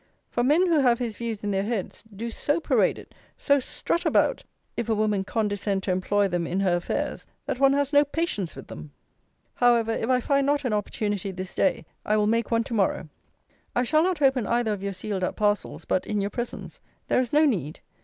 For men who have his views in their heads, do so parade it, so strut about, if a woman condescend to employ them in her affairs, that one has no patience with them. However, if I find not an opportunity this day, I will make one to morrow. I shall not open either of your sealed up parcels, but in your presence. There is no need.